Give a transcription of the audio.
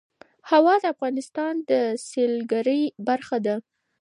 هوا د افغانستان د سیلګرۍ برخه ده.